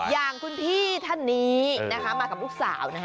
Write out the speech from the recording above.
อย่างคุณพี่ท่านนี้นะคะมากับลูกสาวนะคะ